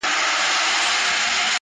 بل موږك په كونج كي ناست وو شخ برېتونه!!